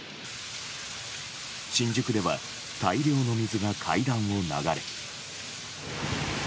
新宿では大量の水が階段を流れ。